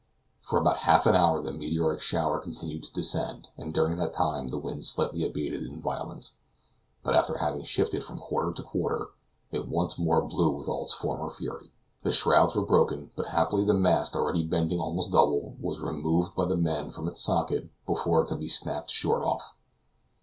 For about half an hour the meteoric shower continued to descend, and during that time the wind slightly abated in violence; but after having shifted from quarter to quarter, it once more blew with all its former fury. The shrouds were broken, but happily the mast, already bending almost double, was removed by the men from its socket before it should be snapped short off..